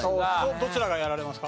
どちらがやられますか？